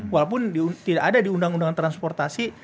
walaupun tidak ada di undang undang transportasi